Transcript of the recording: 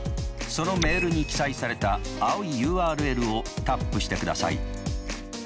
そのメールに記載された青いＵＲＬをタップしてください。